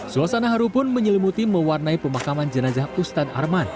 suasana haru pun menyelimuti mewarnai pemakaman jenazah ustadz arman